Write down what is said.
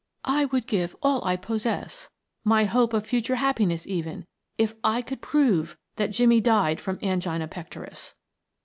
"I would give all I possess, my hope of future happiness even, if I could prove that Jimmie died from angina pectoris."